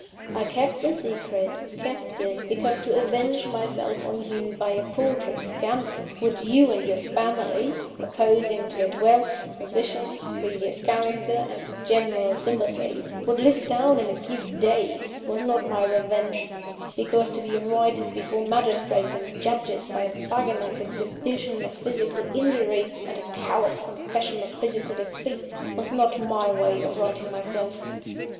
I kept the secret kept it, because to avenge myself on you by a paltry scandal, which you and your family (opposing to it wealth, position, previous character, and general sympathy) would live down in a few days, was not my revenge: because to be righted before magistrates and judges by a beggarman's exhibition of physical injury, and a coward's confession of physical defeat, was not my way of righting myself.